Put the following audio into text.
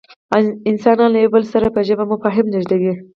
انسانان له یو بل سره په ژبه مفاهیم لېږدوي.